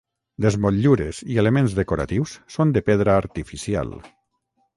Les motllures i elements decoratius són de pedra artificial.